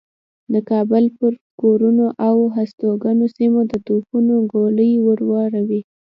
د کابل پر کورونو او هستوګنو سیمو د توپونو ګولۍ و اوروي.